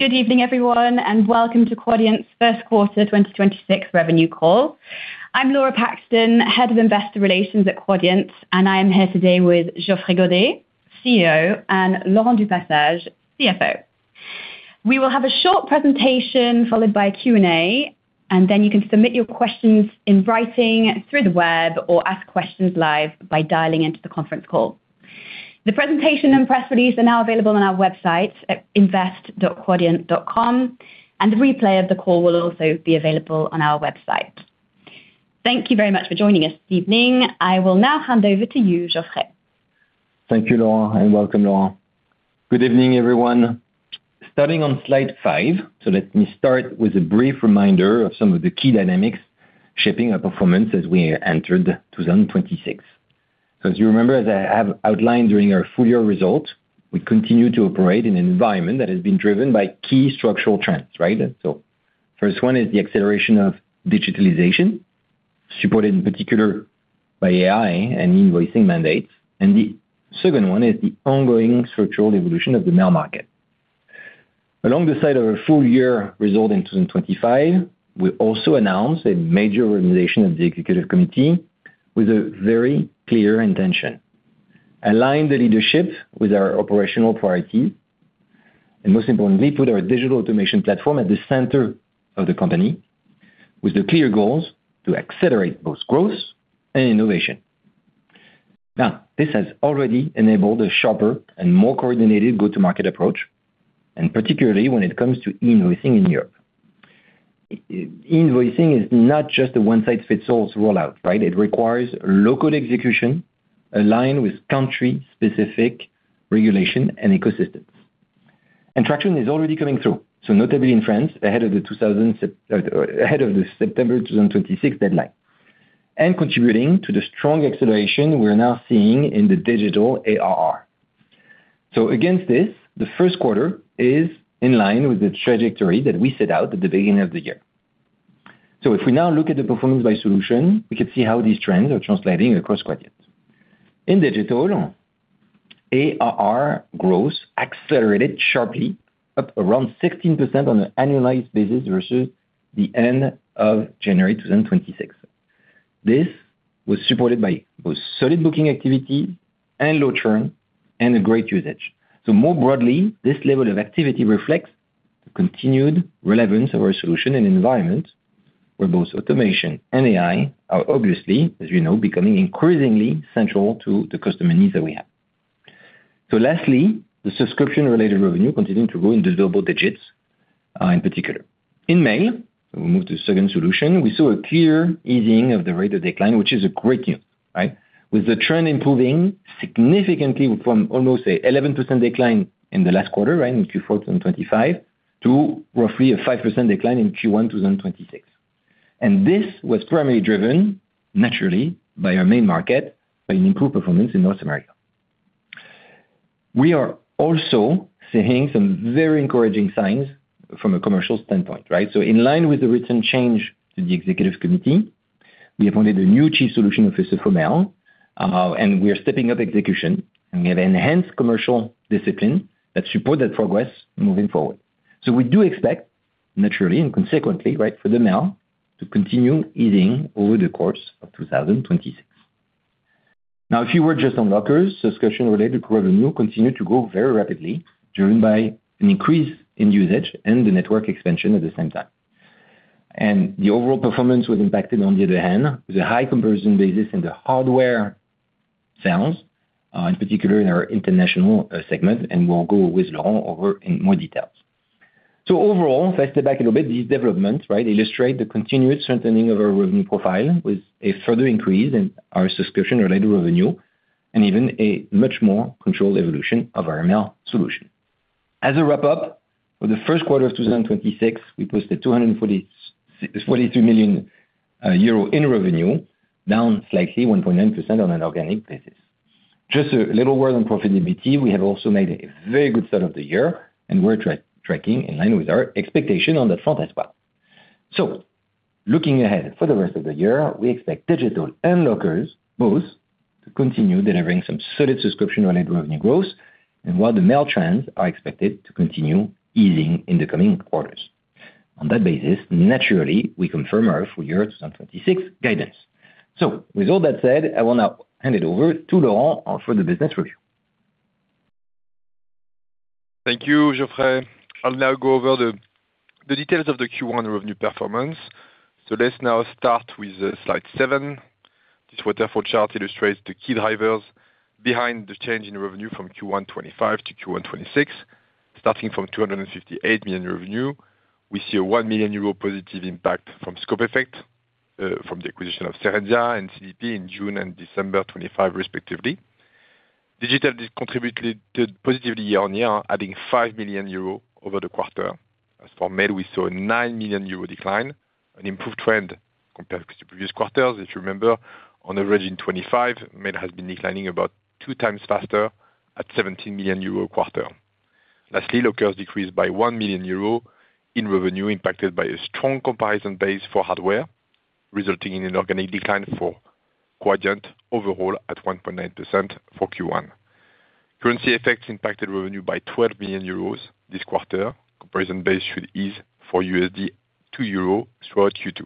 Good evening, everyone, and welcome to Quadient's first quarter 2026 revenue call. I'm Laura Paxton, Head of Investor Relations at Quadient, and I'm here today with Geoffrey Godet, CEO, and Laurent du Passage, CFO. We will have a short presentation followed by a Q&A, and then you can submit your questions in writing through the web or ask questions live by dialing into the conference call. The presentation and press release are now available on our website at invest.quadient.com, and the replay of the call will also be available on our website. Thank you very much for joining us this evening. I will now hand over to you, Geoffrey. Thank you, Laura, and welcome, Laurent. Good evening, everyone. Starting on slide five, let me start with a brief reminder of some of the key dynamics shaping our performance as we entered 2026. As you remember, as I have outlined during our full-year results, we continue to operate in an environment that has been driven by key structural trends, right? First one is the acceleration of digitalization, supported in particular by AI and invoicing mandates. The second one is the ongoing structural evolution of the mail market. Along the side of our full-year result in 2025, we also announced a major reorganization of the Executive Committee with a very clear intention: align the leadership with our operational priority, and most importantly, put our Digital Automation Platform at the center of the company with the clear goals to accelerate both growth and innovation. This has already enabled a sharper and more coordinated go-to-market approach, particularly when it comes to invoicing in Europe. Invoicing is not just a one-size-fits-all rollout, right? It requires local execution aligned with country-specific regulation and ecosystems. Traction is already coming through, so notably in France, ahead of the September 2026 deadline, contributing to the strong acceleration we're now seeing in the digital ARR. Against this, the first quarter is in line with the trajectory that we set out at the beginning of the year. If we now look at the performance by solution, we can see how these trends are translating across Quadient. In digital, ARR growth accelerated sharply, up around 16% on an annualized basis versus the end of January 2026. This was supported by both solid booking activity and low churn and a great usage. More broadly, this level of activity reflects the continued relevance of our solution and environment, where both automation and AI are obviously, you know, becoming increasingly central to the customer needs that we have. Lastly, the subscription-related revenue continuing to grow in double-digits, in particular. In mail, we move to second solution, we saw a clear easing of the rate of decline, which is a great view, right? With the trend improving significantly from almost an 11% decline in the last quarter, in Q4 2025, to roughly a 5% decline in Q1 2026. This was primarily driven, naturally, by our main market, by an improved performance in North America. We are also seeing some very encouraging signs from a commercial standpoint, right? In line with the recent change to the Executive Committee, we appointed a new Chief Solution Officer for Mail, and we are stepping up execution, and we have enhanced commercial discipline that support that progress moving forward. We do expect, naturally and consequently, for the Mail to continue easing over the course of 2026. Now, if you were just on Lockers, subscription-related revenue continued to grow very rapidly, driven by an increase in usage and the network expansion at the same time. The overall performance was impacted, on the other hand, with a high comparison basis in the hardware sales, in particular in our international segment, and we'll go with Laurent over in more details. Overall, if I step back a little bit, these developments illustrate the continued strengthening of our revenue profile with a further increase in our subscription-related revenue and even a much more controlled evolution of our mail solution. As a wrap-up, for the first quarter of 2026, we posted 243 million euro in revenue, down slightly 1.9% on an organic basis. Just a little word on profitability, we have also made a very good start of the year, and we're tracking in line with our expectation on that front as well. Looking ahead for the rest of the year, we expect Digital and Lockers both to continue delivering some solid subscription-related revenue growth, and while the mail trends are expected to continue easing in the coming quarters. On that basis, naturally, we confirm our full year 2026 guidance. With all that said, I will now hand it over to Laurent for the business review. Thank you, Geoffrey. I'll now go over the details of the Q1 revenue performance. Let's now start with slide seven. This waterfall chart illustrates the key drivers behind the change in revenue from Q1 2025 to Q1 2026. Starting from 258 million revenue, we see a 1 million euro positive impact from scope effect from the acquisition of Serensia and CDP in June and December 2025, respectively. Digital did contribute positively year-on-year, adding 5 million euros over the quarter. For Mail, we saw a 9 million euro decline, an improved trend compared to previous quarters. If you remember, on average in 2025, Mail has been declining about 2 times faster at 17 million euro a quarter. Lastly, Lockers decreased by 1 million euro in revenue impacted by a strong comparison base for hardware, resulting in an organic decline for Quadient overall at 1.9% for Q1. Currency effects impacted revenue by 12 million euros this quarter. Comparison base should ease for USD to euro throughout Q2.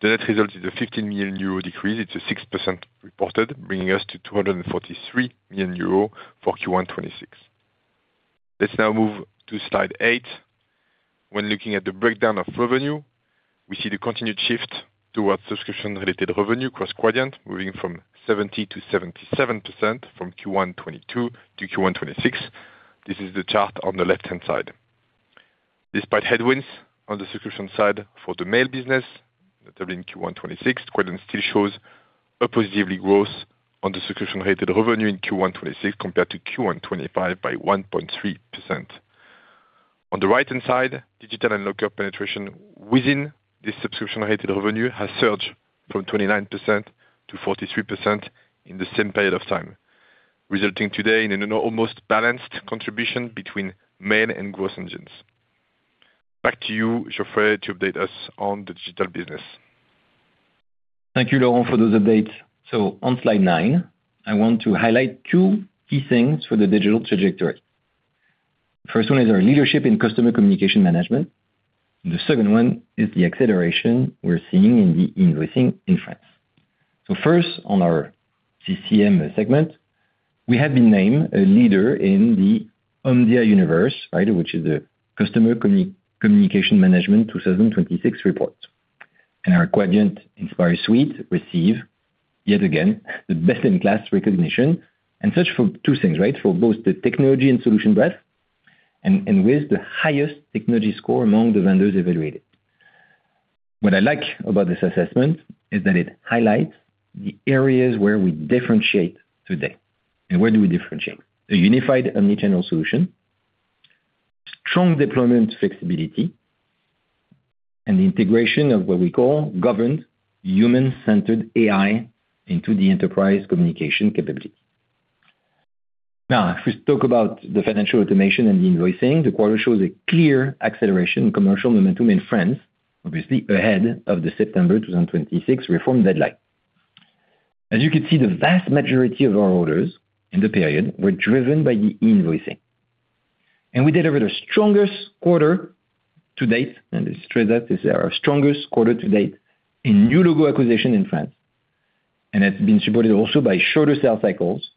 The net result is a 15 million euro decrease. It's a 6% reported, bringing us to 243 million euro for Q1 2026. Let's now move to slide eight. When looking at the breakdown of revenue, we see the continued shift towards subscription-related revenue across Quadient, moving from 70% to 77% from Q1 2022 to Q1 2026. This is the chart on the left-hand side. Despite headwinds on the subscription side for the mail business, notably in Q1 2026, Quadient still shows a positively growth on the subscription-related revenue in Q1 2026 compared to Q1 2025 by 1.3%. On the right-hand side, digital and local penetration within this subscription-related revenue has surged from 29% to 43% in the same period of time, resulting today in an almost balanced contribution between mail and growth engines. Back to you, Geoffrey, to update us on the digital business. Thank you, Laurent, for those updates. On slide nine, I want to highlight two key things for the digital trajectory. First one is our leadership in Customer Communication Management, and the second one is the acceleration we're seeing in the invoicing in France. First, on our CCM segment, we have been named a leader in the Omdia Universe, which is a Customer Communication Management 2026 report. Our Quadient Inspire suite receive, yet again, the best in class recognition and such for two things, right? For both the technology and solution breadth and with the highest technology score among the vendors evaluated. What I like about this assessment is that it highlights the areas where we differentiate today. Where do we differentiate? A unified omni-channel solution, strong deployment flexibility, and the integration of what we call governed human-centered AI into the enterprise communication capability. If we talk about the financial automation and the invoicing, the quarter shows a clear acceleration in commercial momentum in France, obviously ahead of the September 2026 reform deadline. As you can see, the vast majority of our orders in the period were driven by the invoicing, and we delivered our strongest quarter-to-date, and let's stress that, this is our strongest quarter-to-date in new logo acquisition in France. It's been supported also by shorter sales cycles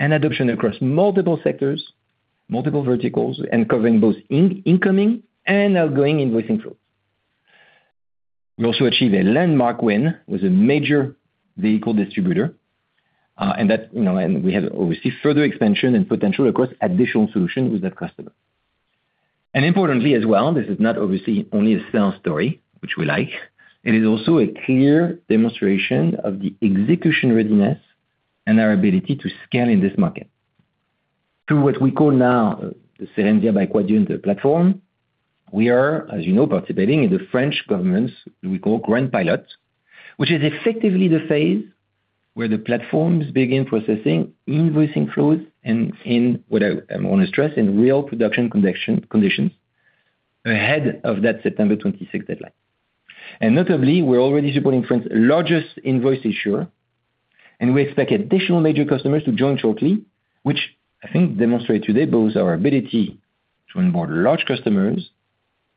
and adoption across multiple sectors, multiple verticals, and covering both incoming and outgoing invoicing flow. We also achieve a landmark win with a major vehicle distributor, and we have obviously further expansion and potential across additional solution with that customer. Importantly as well, this is not obviously only a sales story, which we like. It is also a clear demonstration of the execution readiness and our ability to scale in this market. Through what we call now the Serensia by Quadient platform, we are, as you know, participating in the French government's, we call Grand Pilote, which is effectively the phase where the platforms begin processing invoicing flows and in what I'm going to stress, in real production conditions ahead of that September 2026 deadline. Notably, we're already supporting France's largest invoice issuer, and we expect additional major customers to join shortly, which I think demonstrate today both our ability to onboard large customers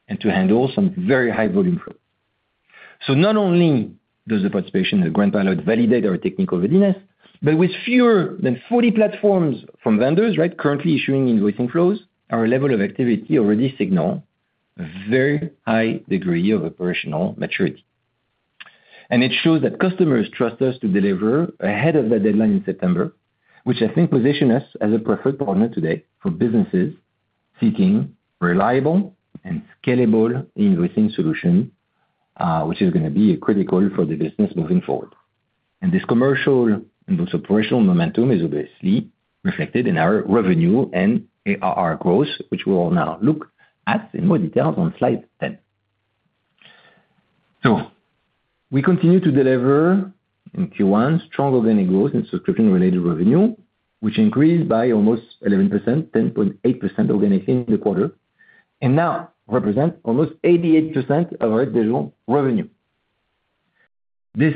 and to handle some very high volume flow. Not only does the participation in the Grand Pilote validate our technical readiness, but with fewer than 40 platforms from vendors, right, currently issuing invoicing flows, our level of activity already signal very high degree of operational maturity. It shows that customers trust us to deliver ahead of the deadline in September, which I think position us as a preferred partner today for businesses seeking reliable and scalable invoicing solution, which is going to be critical for the business moving forward. This commercial and also operational momentum is obviously reflected in our revenue and ARR growth, which we will now look at in more detail on slide 10. We continue to deliver in Q1 stronger than a growth in subscription-related revenue, which increased by almost 11%, 10.8% organically in the quarter, and now represent almost 88% of our digital revenue. This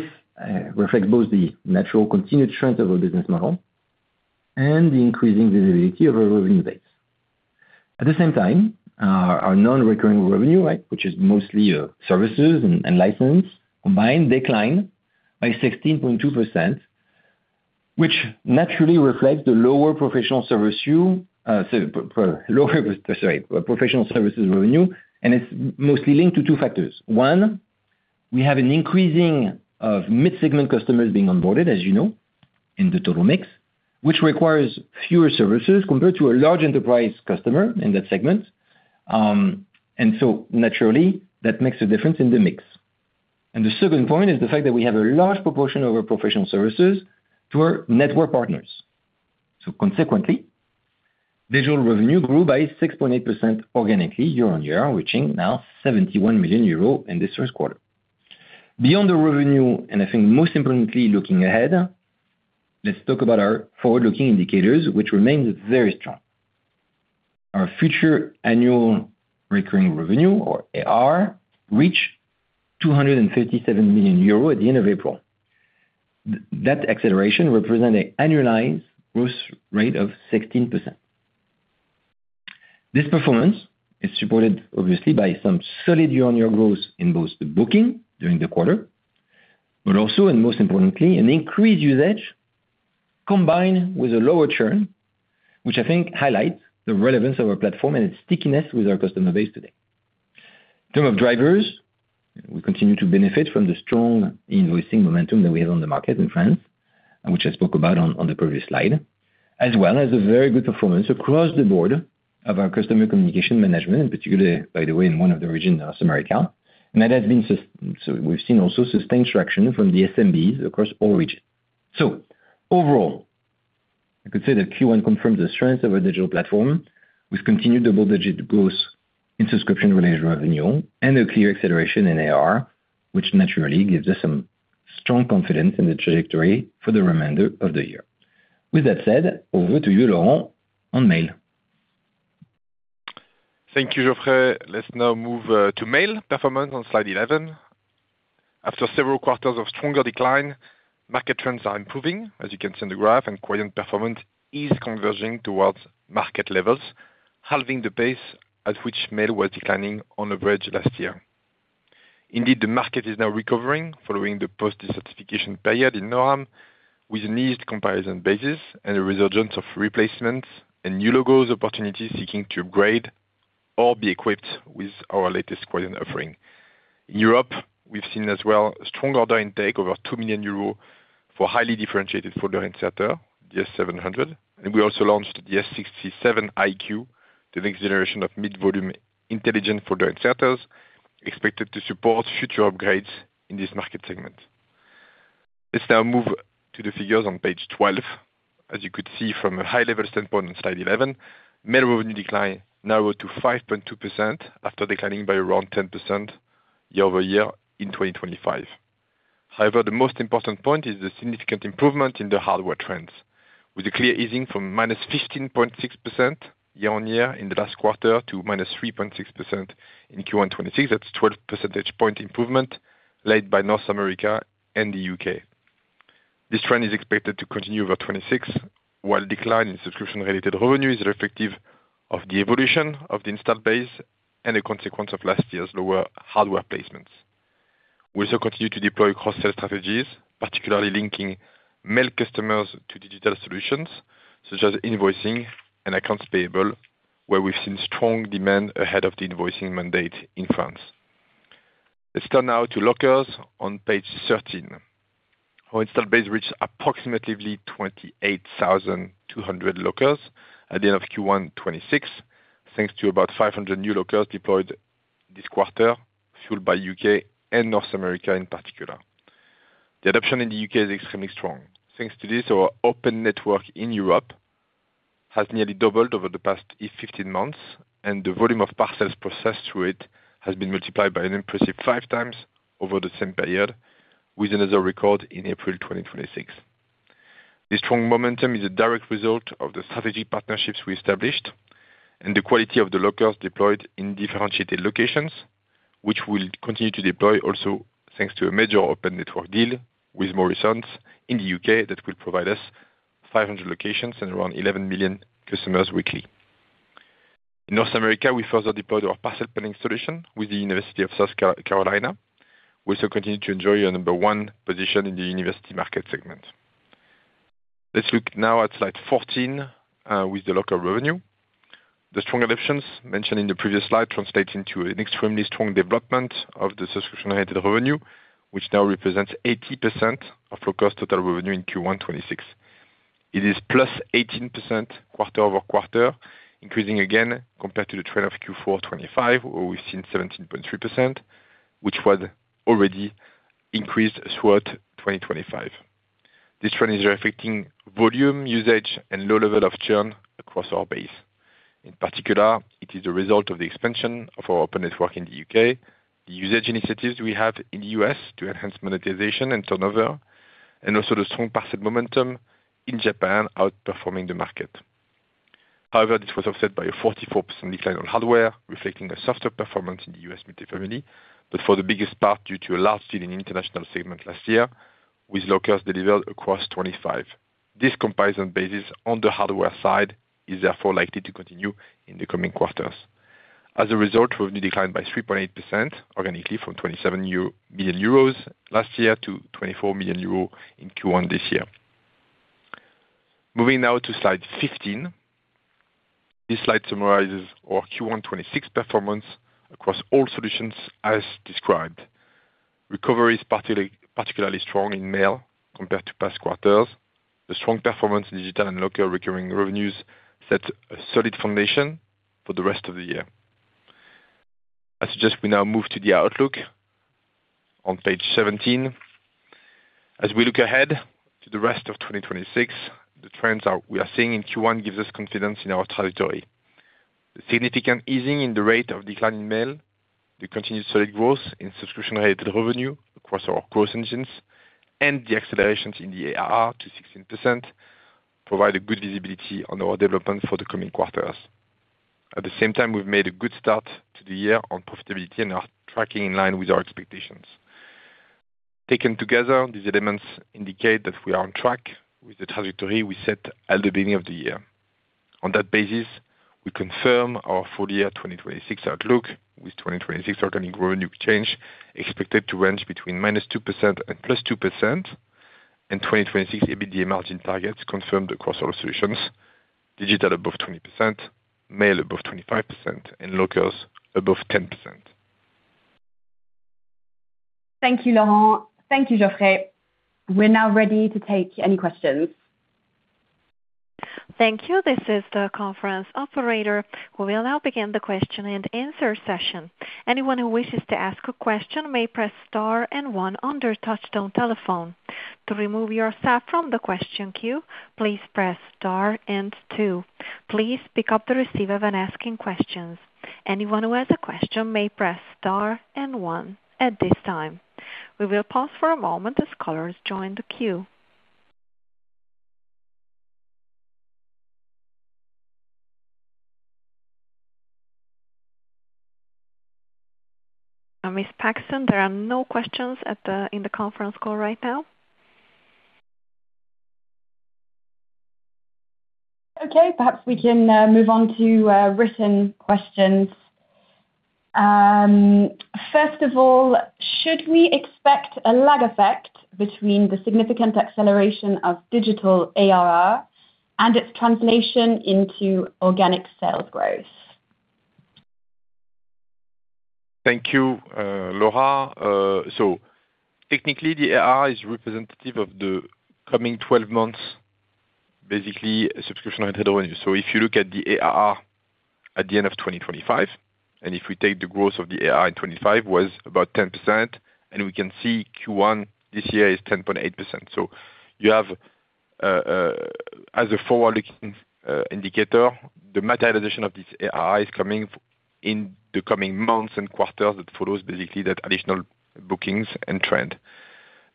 reflects both the natural continued trend of our business model and the increasing visibility of our revenue base. At the same time, our non-recurring revenue, which is mostly services and license, combined decline by 16.2%, which naturally reflects the lower professional service revenue. It's mostly linked to two factors. One, we have an increasing of mid-segment customers being onboarded, as you know, in the total mix, which requires fewer services compared to a large enterprise customer in that segment. Naturally, that makes a difference in the mix. The second point is the fact that we have a large proportion of our professional services to our network partners. Consequently, digital revenue grew by 6.8% organically year-on-year, reaching now 71 million euros in this first quarter. Beyond the revenue, I think most importantly, looking ahead, let's talk about our forward-looking indicators, which remains very strong. Our future annual recurring revenue, or ARR, reached 257 million euros at the end of April. That acceleration represented annualized growth rate of 16%. This performance is supported, obviously, by some solid year-on-year growth in both the booking during the quarter, but also, and most importantly, an increased usage combined with a lower churn, which I think highlights the relevance of our platform and its stickiness with our customer base today. In terms of drivers, we continue to benefit from the strong invoicing momentum that we have on the market in France, which I spoke about on the previous slide, as well as a very good performance across the board of our Customer Communication Management, in particular, by the way, in one of the regions, North America. We've seen also sustained traction from the SMBs across all regions. Overall, I could say that Q1 confirms the strength of our digital platform with continued double-digit growth in subscription renewal revenue and a clear acceleration in ARR, which naturally gives us some strong confidence in the trajectory for the remainder of the year. With that said, over to you, Laurent, on Mail. Thank you, Geoffrey. Let's now move to Mail performance on slide 11. After several quarters of stronger decline, market trends are improving, as you can see on the graph, and Quadient performance is converging towards market levels, halving the pace at which Mail was declining on average last year. Indeed, the market is now recovering following the post-decertification period in NOAM with an eased comparison basis and a resurgence of replacements and new logos opportunities seeking to upgrade or be equipped with our latest Quadient offering. In Europe, we've seen as well a strong order intake over 2 million euros for highly differentiated folder inserter, the DS-700, and we also launched the DS-67iQ, the next generation of mid-volume intelligent folder inserters, expected to support future upgrades in this market segment. Let's now move to the figures on page 12. As you could see from a high-level standpoint on slide 11, Mail revenue decline narrowed to 5.2% after declining by around 10% year-over-year in 2025. The most important point is the significant improvement in the hardware trends, with a clear easing from -15.6% year-on-year in the last quarter to -3.6% in Q1 2026. That's 12 percentage point improvement led by North America and the U.K. This trend is expected to continue over 2026, while decline in subscription-related revenue is reflective of the evolution of the installed base and a consequence of last year's lower hardware placements. We also continue to deploy cross-sell strategies, particularly linking Mail customers to digital solutions, such as invoicing and accounts payable, where we've seen strong demand ahead of the invoicing mandate in France. Let's turn now to Lockers on page 13. Our installed base reached approximately 28,200 Lockers at the end of Q1 2026, thanks to about 500 new Lockers deployed this quarter, fueled by U.K. and North America in particular. The adoption in the U.K. is extremely strong. Thanks to this, our open network in Europe has nearly doubled over the past 15 months, and the volume of parcels processed through it has been multiplied by an impressive 5 times over the same period, with another record in April 2026. This strong momentum is a direct result of the strategic partnerships we established and the quality of the Lockers deployed in differentiated locations, which we'll continue to deploy also thanks to a major open network deal with Morrisons in the U.K. that will provide us 500 locations and around 11 million customers weekly. In North America, we further deployed our Parcel Pending by Quadient solution with the University of South Carolina. We also continue to enjoy our number one position in the university market segment. Let's look now at slide 14, with the Locker revenue. The strong adoptions mentioned in the previous slide translates into an extremely strong development of the subscription-related revenue, which now represents 80% of Lockers' total revenue in Q1 2026. It is +18% quarter-over-quarter, increasing again compared to the trend of Q4 2025, where we've seen 17.3%, which was already increased throughout 2025. This trend is reflecting volume usage and low level of churn across our base. In particular, it is a result of the expansion of our open network in the U.K., the usage initiatives we have in the U.S. to enhance monetization and turnover, and also the strong parcel momentum in Japan outperforming the market. This was offset by a 44% decline on hardware, reflecting a softer performance in the U.S. multifamily, but for the biggest part, due to a large sale in international segment last year with Lockers delivered across 2025. This comparison basis on the hardware side is therefore likely to continue in the coming quarters. Revenue declined by 3.8%, organically, from 27 million euro last year to 24 million euros in Q1 this year. Moving now to slide 15. This slide summarizes our Q1 2026 performance across all solutions as described. Recovery is particularly strong in Mail compared to past quarters. The strong performance in Digital and Locker recurring revenues sets a solid foundation for the rest of the year. I suggest we now move to the outlook on page 17. As we look ahead to the rest of 2026, the trends we are seeing in Q1 gives us confidence in our trajectory. The significant easing in the rate of decline in Mail. The continued solid growth in subscription-related revenue across our growth engines and the accelerations in the ARR to 16% provide a good visibility on our development for the coming quarters. At the same time, we've made a good start to the year on profitability and are tracking in line with our expectations. Taken together, these elements indicate that we are on track with the trajectory we set at the beginning of the year. On that basis, we confirm our full year 2026 outlook, with 2026 organic revenue change expected to range between -2% and +2%, and 2026 EBITDA margin targets confirmed across all solutions, digital above 20%, mail above 25%, and Lockers above 10%. Thank you, Laurent. Thank you, Geoffrey. We're now ready to take any questions. Thank you. This is the conference operator, who will now begin the question-and-answer session. Anyone who wishes to ask a question may press star and one on their touchtone telephone. To remove yourself from the question queue, please press star and two. Please pick up the receiver when asking questions. Anyone who has a question may press star and one at this time. We will pause for a moment as callers join the queue. Ms. Paxton, there are no questions in the conference call right now. Okay. Perhaps we can move on to written questions. First of all, should we expect a lag effect between the significant acceleration of digital ARR and its translation into organic sales growth? Thank you, Laura. Technically, the ARR is representative of the coming 12 months, basically subscription and revenue. If you look at the ARR at the end of 2025, if we take the growth of the ARR in 2025 was about 10%, we can see Q1 this year is 10.8%. You have, as a forward-looking indicator, the materialization of this ARR is coming in the coming months and quarters that follows, basically, that additional bookings and trend.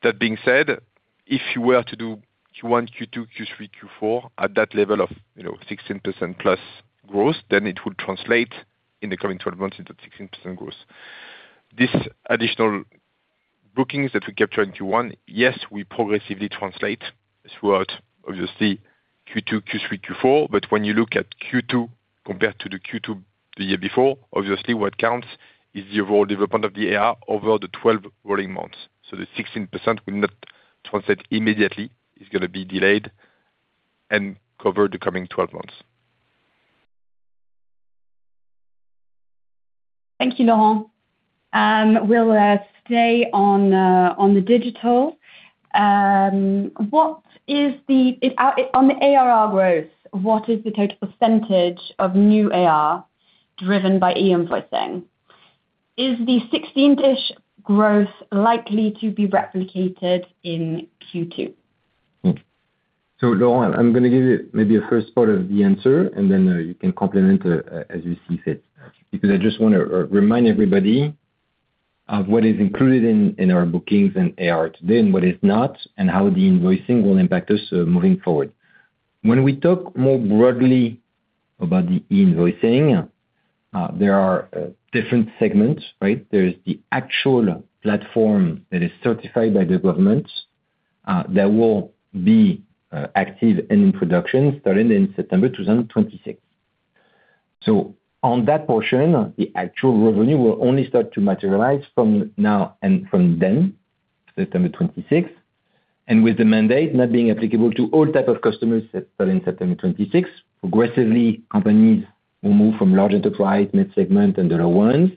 That being said, if you were to do Q1, Q2, Q3, Q4 at that level of 16%+ growth, it would translate in the coming 12 months into 16% growth. These additional bookings that we capture in Q1, yes, we progressively translate throughout, obviously Q2, Q3, Q4. When you look at Q2 compared to the Q2 the year before, obviously what counts is the overall development of the ARR over the 12 rolling months. The 16% will not translate immediately. It's going to be delayed and cover the coming 12 months. Thank you, Laurent. We'll stay on the digital. On the ARR growth, what is the total percentage of new ARR driven by e-invoicing? Is the 16%-ish growth likely to be replicated in Q2? Laurent, I'm going to give maybe a first part of the answer, and then you can complement as you see fit, because I just want to remind everybody of what is included in our bookings in ARR today and what is not, and how the invoicing will impact us moving forward. When we talk more broadly about the e-invoicing, there are different segments, right? There is the actual platform that is certified by the government that will be active and in production starting in September 2026. On that portion, the actual revenue will only start to materialize from now and from then, September 2026. With the mandate not being applicable to all type of customers starting September 2026, progressively, companies will move from large enterprise, mid segment and the low ones.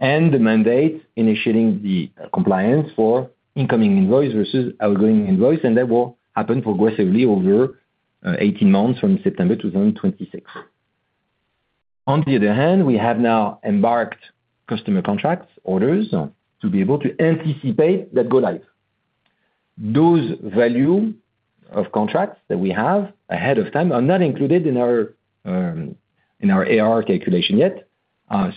The mandate initiating the compliance for incoming invoice versus outgoing invoice, that will happen progressively over 18 months from September 2026. On the other hand, we have now embarked customer contracts, orders, to be able to anticipate that go live. Those value of contracts that we have ahead of time are not included in our ARR calculation yet.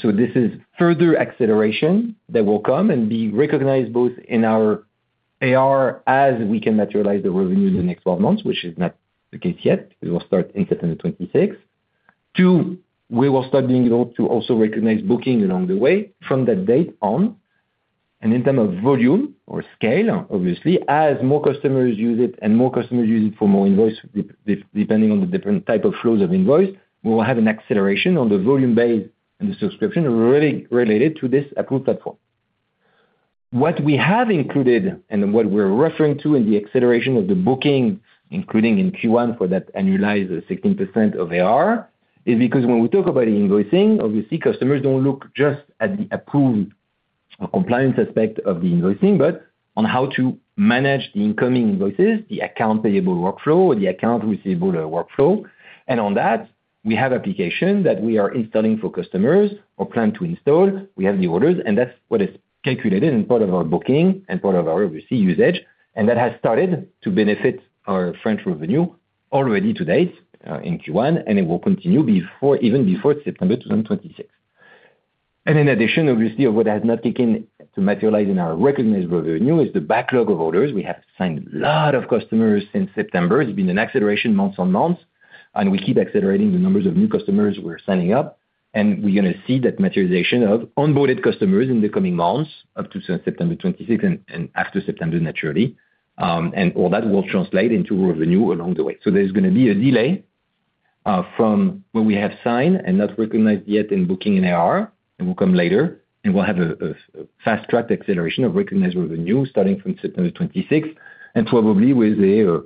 This is further acceleration that will come and be recognized both in our ARR as we can materialize the revenue in the next 12 months, which is not the case yet. We will start in September 2026. Two, we will start being able to also recognize booking along the way from that date on. In terms of volume or scale, obviously, as more customers use it and more customers use it for more invoices, depending on the different type of flows of invoices, we will have an acceleration on the volume base and the subscription really related to this approved platform. What we have included and what we're referring to in the acceleration of the booking, including in Q1 for that annualized 16% of ARR, is because when we talk about e-invoicing, obviously customers don't look just at the approved compliance aspect of the invoicing, but on how to manage the incoming invoices, the accounts payable workflow or the accounts receivable workflow. On that, we have applications that we are installing for customers or plan to install. We have the orders and that's what is calculated in part of our booking and part of our obviously usage. That has started to benefit our French revenue already to date in Q1, and it will continue even before September 2026. In addition, obviously, what has not taken to materialize in our recognized revenue is the backlog of orders. We have signed a lot of customers since September. It's been an acceleration month-on-month, and we keep accelerating the numbers of new customers we're signing up, and we're going to see that materialization of onboarded customers in the coming months up to September 2026 and after September, naturally. All that will translate into revenue along the way. There's going to be a delay from when we have signed and not recognized yet in booking and ARR, it will come later, and we'll have a fast-track acceleration of recognized revenue starting from September 2026, and probably with a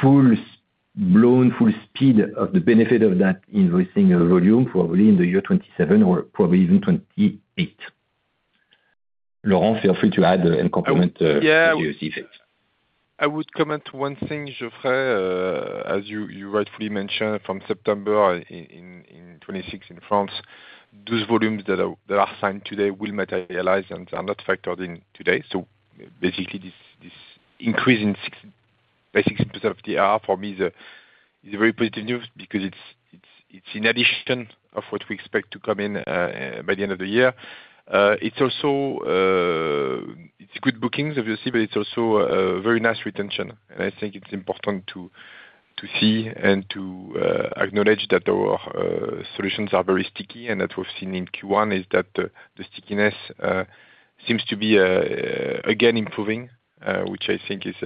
full-blown, full speed of the benefit of that invoicing volume probably in the year 2027 or probably even 2028. Laurent, feel free to add and complement. Yeah as you see fit. I would comment one thing, Geoffrey. As you rightfully mentioned, from September in 2026 in France, those volumes that are signed today will materialize and are not factored in today. Basically, this increase in 6% of the ARR for me is a very positive news because it's in addition of what we expect to come in by the end of the year. It's good bookings, obviously, but it's also a very nice retention. I think it's important to see and to acknowledge that our solutions are very sticky, and that we've seen in Q1 is that the stickiness seems to be again improving, which I think is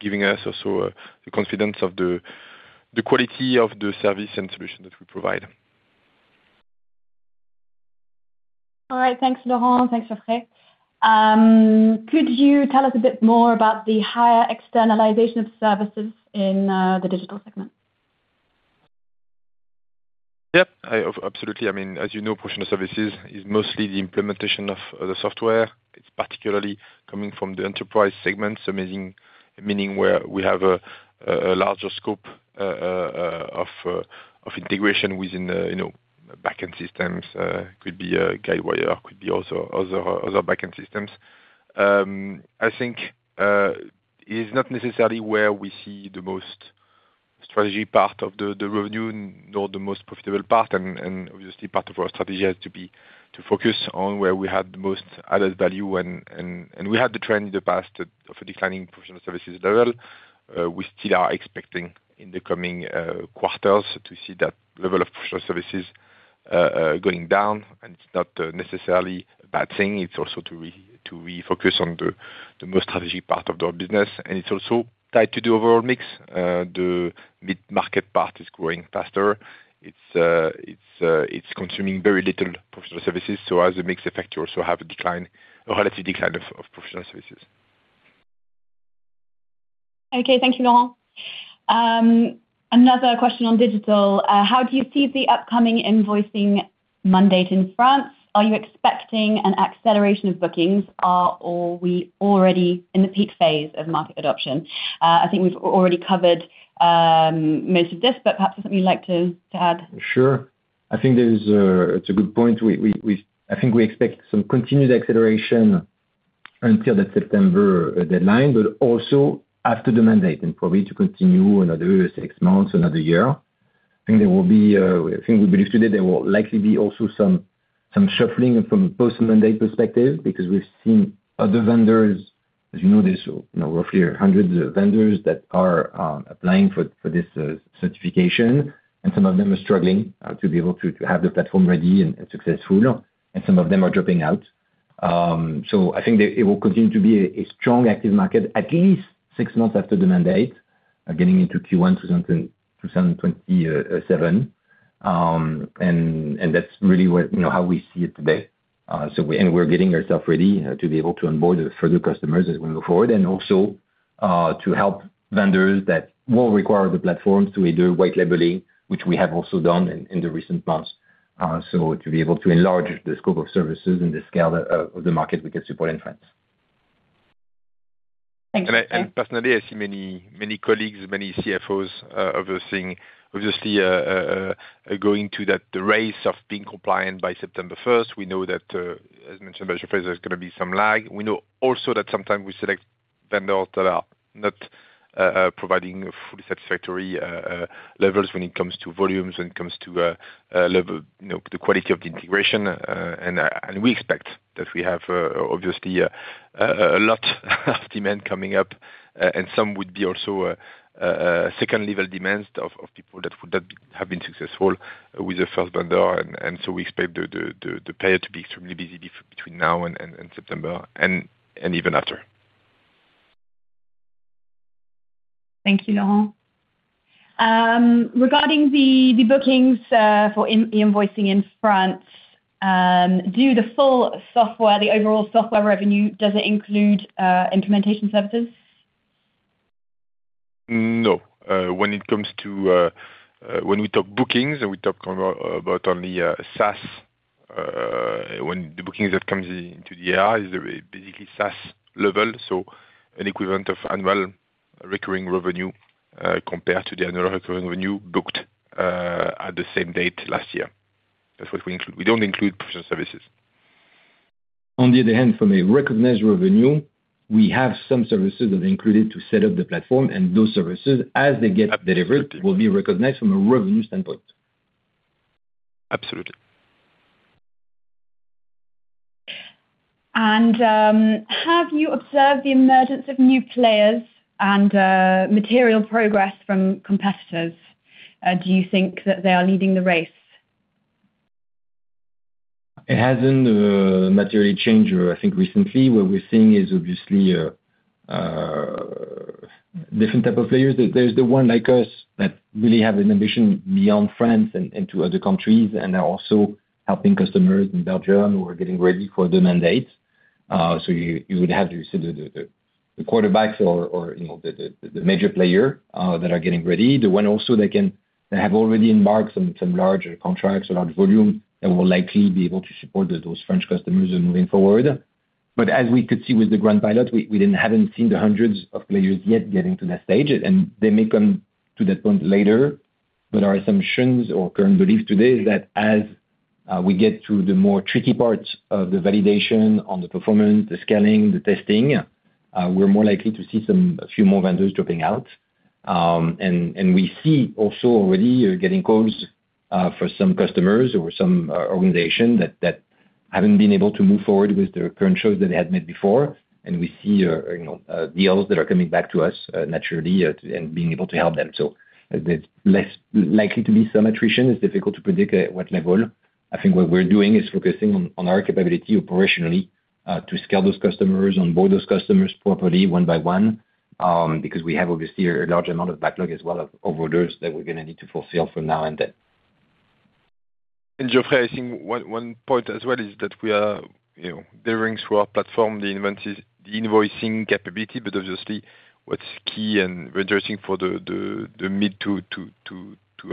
giving us also a confidence of the quality of the service and solution that we provide. All right. Thanks, Laurent. Thanks, Geoffrey. Could you tell us a bit more about the higher externalization of services in the digital segment? Yep. Absolutely. As you know, professional services is mostly the implementation of the software. It's particularly coming from the enterprise segments, meaning where we have a larger scope of integration within backend systems. Could be Guidewire, could be also other backend systems. I think it is not necessarily where we see the most strategic part of the revenue, nor the most profitable part. Obviously, part of our strategy has to be to focus on where we had the most added value, and we had the trend in the past of a declining professional services level. We still are expecting in the coming quarters to see that level of professional services going down, and it's not necessarily a bad thing. It's also to refocus on the most strategic part of our business, and it's also tied to the overall mix. The mid-market part is growing faster. It's consuming very little professional services, so as a mix effect, you also have a relative decline of professional services. Okay. Thank you, Laurent. Another question on digital. How do you see the upcoming invoicing mandate in France? Are you expecting an acceleration of bookings, or are we already in the peak phase of market adoption? I think we've already covered most of this, perhaps something you'd like to add? Sure. I think it's a good point. I think we expect some continued acceleration until that September deadline, but also after the mandate and probably to continue another six months, another year. I think there will be distributed, there will likely be also some shuffling from a post-mandate perspective because we've seen other vendors, as you know, there's roughly hundreds of vendors that are applying for this certification, and some of them are struggling to be able to have the platform ready and successful, and some of them are dropping out. I think that it will continue to be a strong active market, at least six months after the mandate, getting into Q1 2027. That's really how we see it today. We're getting ourselves ready to be able to onboard further customers as we move forward, and also to help vendors that will require the platforms to either white labeling, which we have also done in the recent past, so to be able to enlarge the scope of services and the scale of the market we can support in France. Thanks. Personally, I see many colleagues, many CFOs, obviously, going to the race of being compliant by September 1st. We know that, as mentioned by Geoffrey, there's going to be some lag. We know also that sometimes we select vendors that are not providing fully satisfactory levels when it comes to volumes, when it comes to the quality of the integration. We expect that we have, obviously, a lot of demand coming up, and some would be also second-level demands of people that have been successful with the first vendor. We expect the period to be extremely busy between now and September, and even after. Thank you, Laurent. Regarding the bookings for e-invoicing in France, the overall software revenue, does it include implementation services? No. When we talk bookings and we talk about only SaaS, when the bookings that comes into the ARR is basically SaaS level, so an equivalent of annual recurring revenue compared to the annual recurring revenue booked at the same date last year. We don't include professional services. On the other hand, from a recognized revenue, we have some services that are included to set up the platform, and those services, as they get delivered, will be recognized from a revenue standpoint. Absolutely. Have you observed the emergence of new players and material progress from competitors? Do you think that they are leading the race? It hasn't materially changed. I think recently what we're seeing is obviously different type of players. There's the one like us that really have an ambition beyond France and to other countries, and are also helping customers in Belgium who are getting ready for the mandate. You would have the quarterbacks or the major player that are getting ready. The one also that have already embarked on some larger contracts, a large volume, that will likely be able to support those French customers moving forward. As we could see with the Grand Pilote, we haven't seen the hundreds of players yet getting to that stage, and they may come to that point later. Our assumptions or current belief today is that as we get to the more tricky parts of the validation on the performance, the scaling, the testing, we're more likely to see a few more vendors dropping out. We see also already getting calls for some customers or some organization that haven't been able to move forward with their current choice that they had made before. We see deals that are coming back to us naturally, and being able to help them. There's less likely to be some attrition. It's difficult to predict at what level. I think what we're doing is focusing on our capability operationally, to scale those customers, onboard those customers properly one by one, because we have obviously a large amount of backlog as well of orders that we're going to need to fulfill from now and then. Geoffrey, I think one point as well is that we are delivering through our platform the invoicing capability, but obviously what's key and rejoicing for the mid to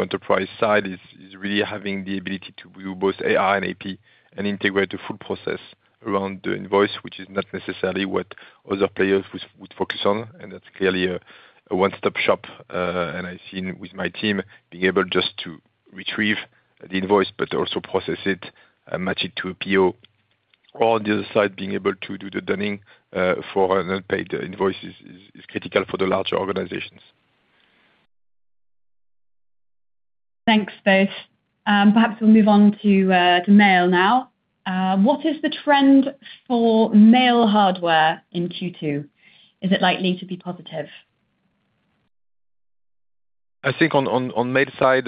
enterprise side is really having the ability to do both AR and AP and integrate the full process around the invoice, which is not necessarily what other players would focus on, that's clearly a one-stop shop. I've seen with my team being able just to retrieve the invoice, but also process it and match it to a PO or the other side, being able to do the dunning for an unpaid invoice is critical for the larger organizations. Thanks, both. Perhaps we'll move on to mail now. What is the trend for mail hardware in Q2? Is it likely to be positive? I think on mail side,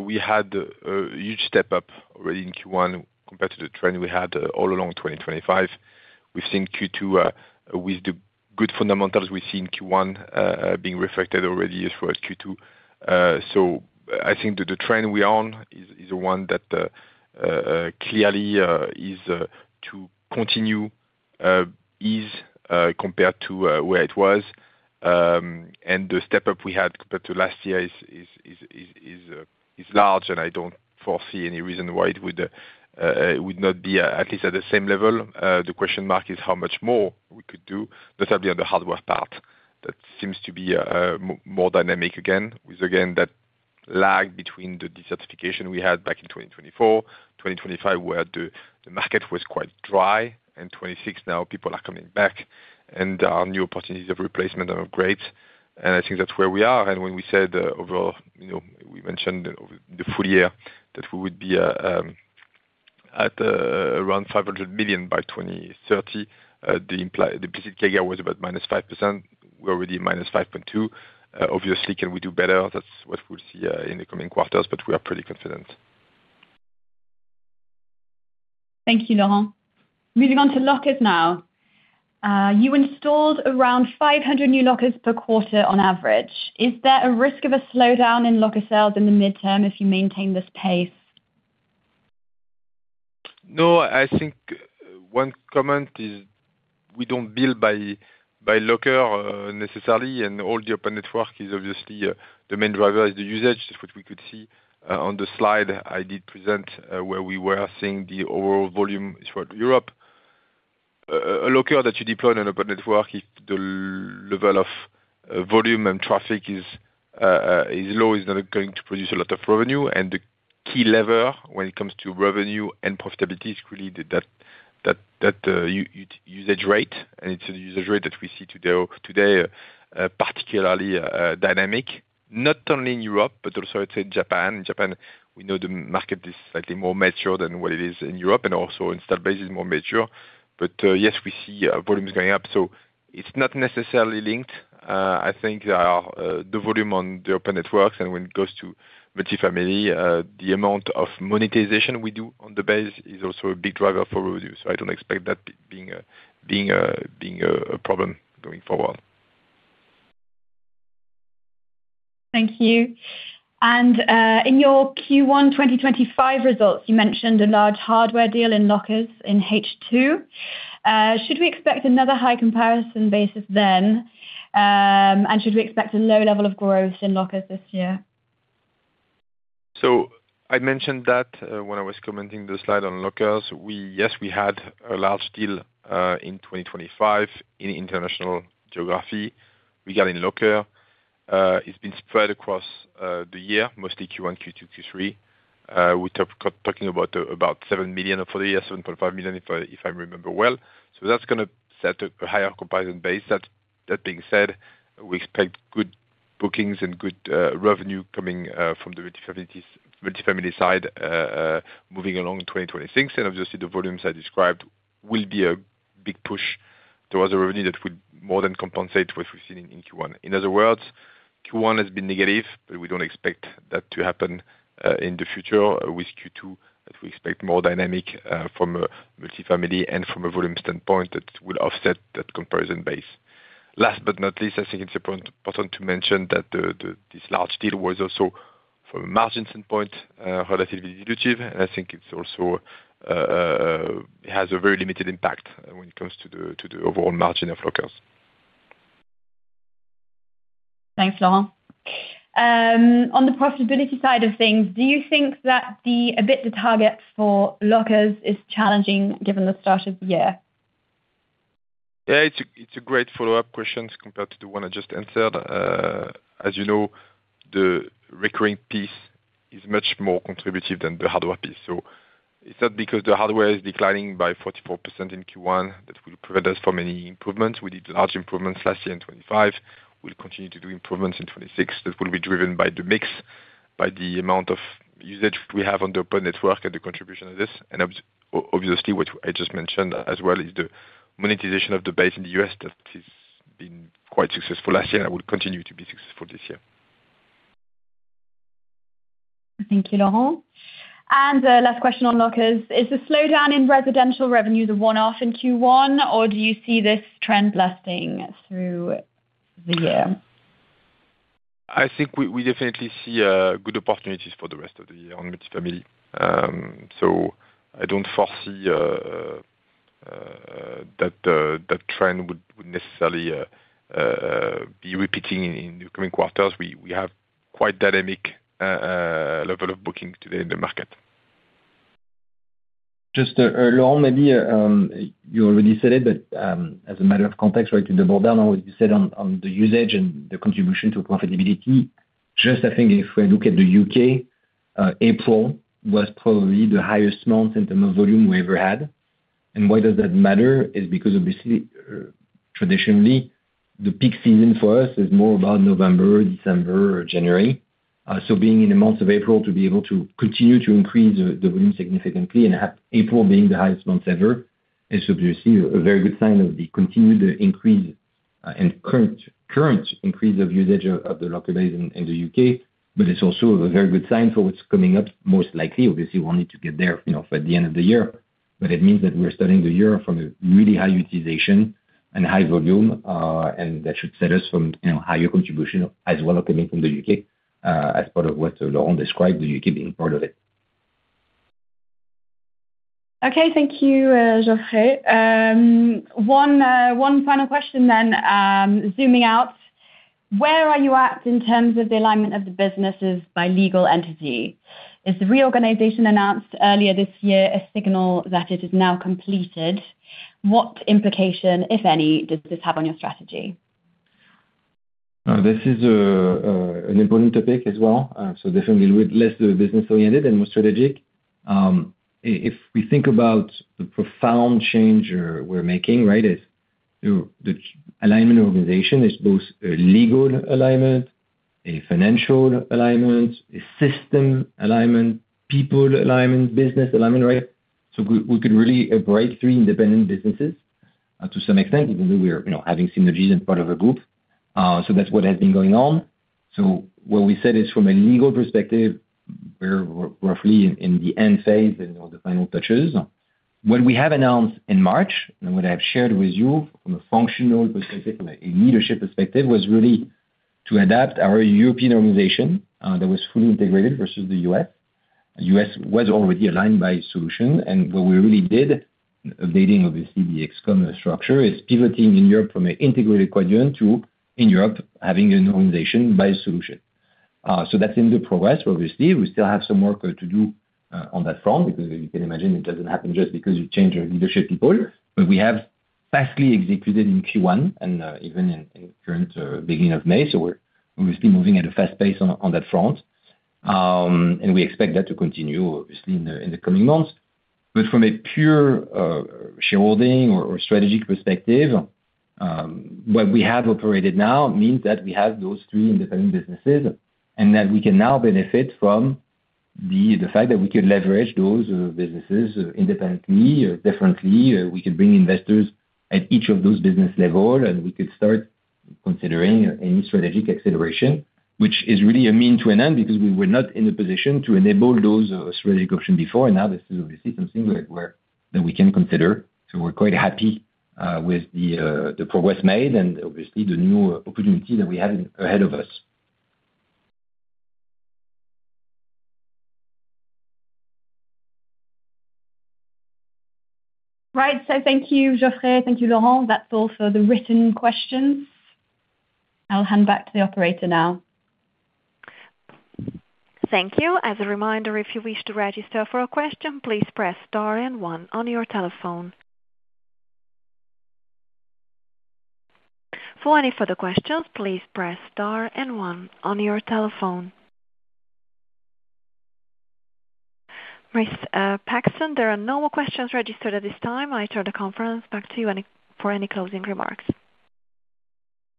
we had a huge step up already in Q1 compared to the trend we had all along 2025. We've seen Q2 with the good fundamentals we see in Q1 being reflected already as for Q2. I think that the trend we're on is one that clearly is to continue ease compared to where it was. The step-up we had compared to last year is large, and I don't foresee any reason why it would not be at least at the same level. The question mark is how much more we could do, possibly on the hardware part. That seems to be more dynamic again, with again that lag between the decertification we had back in 2024, 2025, where the market was quite dry and 2026 now people are coming back and there are new opportunities of replacement and upgrades. I think that's where we are. When we said overall, we mentioned the full year that we would be at around 500 million by 2030. The implicit CAGR was about -5%. We're already at -5.2%. Can we do better? That's what we'll see in the coming quarters, but we are pretty confident. Thank you, Laurent. Moving on to lockers now. You installed around 500 new lockers per quarter on average. Is there a risk of a slowdown in locker sales in the midterm if you maintain this pace? No, I think one comment is we don't build by locker necessarily, and all the open network is obviously the main driver is the usage, which we could see on the slide I did present, where we were seeing the overall volume throughout Europe. A locker that you deploy on an open network, if the level of volume and traffic is low, is not going to produce a lot of revenue. The key lever when it comes to revenue and profitability is really that usage rate. It's a usage rate that we see today particularly dynamic, not only in Europe, but also it's in Japan. In Japan, we know the market is slightly more mature than what it is in Europe, and also installed base is more mature. Yes, we see volumes going up, so it's not necessarily linked. I think the volume on the open networks and when it goes to multifamily, the amount of monetization we do on the base is also a big driver for revenue. I don't expect that being a problem going forward. Thank you. In your Q1 2025 results, you mentioned a large hardware deal in Lockers in H2. Should we expect another high comparison basis then? Should we expect a low level of growth in Lockers this year? I mentioned that when I was commenting the slide on Lockers. Yes, we had a large deal in 2025 in international geography regarding Lockers. It's been spread across the year, mostly Q1, Q2, Q3. We're talking about 7 million for the year, 7.5 million, if I remember well. That's going to set a higher comparison base. That being said, we expect good bookings and good revenue coming from the multifamily side moving along in 2026. Obviously, the volumes I described will be a big push towards a revenue that would more than compensate what we've seen in Q1. In other words, Q1 has been negative, but we don't expect that to happen in the future with Q2, as we expect more dynamic from a multifamily and from a volume standpoint that will offset that comparison base. Last but not least, I think it's important to mention that this large deal was also from a margin standpoint, relatively dilutive, and I think it also has a very limited impact when it comes to the overall margin of Lockers. Thanks, Laurent. On the profitability side of things, do you think that a bit the target for Lockers is challenging given the start of the year? Yeah, it's a great follow-up question compared to the one I just answered. As you know, the recurring piece is much more contributive than the hardware piece. It's not because the hardware is declining by 44% in Q1 that will prevent us from any improvements. We did large improvements last year in 2025. We'll continue to do improvements in 2026 that will be driven by the mix, by the amount of usage we have on the open network and the contribution of this. Obviously, what I just mentioned as well is the monetization of the base in the U.S. that has been quite successful last year and will continue to be successful this year. Thank you, Laurent. Last question on Lockers. Is the slowdown in residential revenue the one-off in Q1, or do you see this trend lasting through the year? I think we definitely see good opportunities for the rest of the year on multifamily. I don't foresee that trend would necessarily be repeating in the coming quarters. We have quite dynamic level of booking today in the market. Just, Laurent, maybe you already said it, as a matter of context to double down on what you said on the usage and the contribution to profitability, just I think if we look at the U.K., April was probably the highest month in terms of volume we ever had. Why does that matter is because obviously, traditionally, the peak season for us is more about November, December or January. Being in the month of April to be able to continue to increase the volume significantly and have April being the highest month ever is obviously a very good sign of the continued increase and current increase of usage of the Locker base in the U.K. It's also a very good sign for what's coming up, most likely. Obviously, we need to get there by the end of the year. It means that we're starting the year from a really high utilization and high volume, and that should set us from higher contribution as well coming from the U.K. as part of what Laurent described, the U.K. being part of it. Okay. Thank you, Geoffrey. One final question. Zooming out, where are you at in terms of the alignment of the businesses by legal entity? Is the reorganization announced earlier this year a signal that it is now completed? What implication, if any, does this have on your strategy? This is an important topic as well. Definitely less business-oriented and more strategic. If we think about the profound change we're making, the alignment organization is both a legal alignment, a financial alignment, a system alignment, people alignment, business alignment, right? We could really operate three independent businesses to some extent, even though we're having synergies as part of a group. That's what has been going on. What we said is from a legal perspective, we're roughly in the end phase and all the final touches. What we have announced in March and what I've shared with you from a functional perspective and a leadership perspective, was really to adapt our European organization that was fully integrated versus the U.S. U.S. was already aligned by solution. What we really did, updating obviously the ExCom structure, is pivoting in Europe from an integrated Quadient to in Europe having an organization by solution. That's in the progress. Obviously, we still have some work to do on that front because as you can imagine, it doesn't happen just because you change your leadership people. We have fastly executed in Q1 and even in current beginning of May. We're obviously moving at a fast pace on that front. We expect that to continue obviously in the coming months. From a pure shareholding or strategic perspective, what we have operated now means that we have those three independent businesses and that we can now benefit from the fact that we could leverage those businesses independently or differently, or we could bring investors at each of those business level, and we could start considering any strategic acceleration, which is really a means to an end because we were not in a position to enable those strategic option before. This is obviously something that we can consider. We're quite happy with the progress made and obviously the new opportunity that we have ahead of us. Right. Thank you, Geoffrey. Thank you, Laurent. That's all for the written questions. I'll hand back to the Operator now. Thank you. As a reminder, if you wish to register for a question, please press star and one on your telephone. For any further questions, please press star and one on your telephone. Ms. Paxton, there are no more questions registered at this time. I turn the conference back to you for any closing remarks.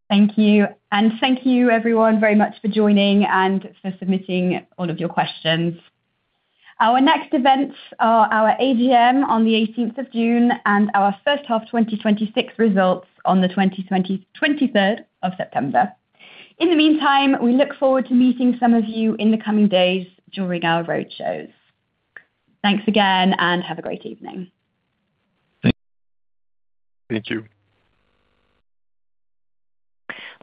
Thank you. Thank you everyone very much for joining and for submitting all of your questions. Our next events are our AGM on the 18th of June and our first half 2026 results on the 23rd of September. In the meantime, we look forward to meeting some of you in the coming days during our roadshows. Thanks again and have a great evening. Thank you.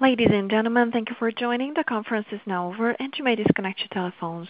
Ladies and gentlemen, thank you for joining. The conference is now over, and you may disconnect your telephones.